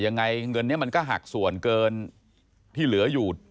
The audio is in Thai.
ยังไงเงินนี้มันก็หักส่วนเกินที่เหลืออยู่